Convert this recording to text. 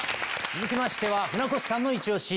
続きましては船越さんのイチ押し。